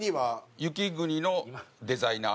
雪国のデザイナー。